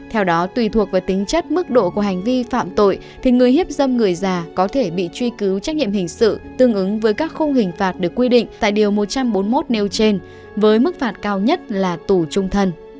theo đó tùy thuộc vào tính chất mức độ của hành vi phạm tội thì người hiếp dâm người già có thể bị truy cứu trách nhiệm hình sự tương ứng với các khung hình phạt được quy định tại điều một trăm bốn mươi một nêu trên với mức phạt cao nhất là tù trung thân